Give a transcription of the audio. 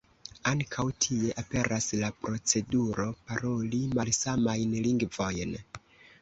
Ankaŭ tie aperas la proceduro paroli malsamajn lingvojn.